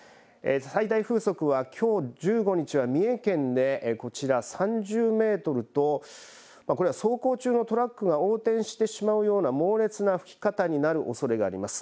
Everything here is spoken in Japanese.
最大風速はきょう１５日は三重県でこちら３０メートルとこれは走行中のトラックが横転してしまうような猛烈な吹き方になるおそれがあります。